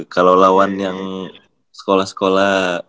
kalau lawan yang sekolah sekolah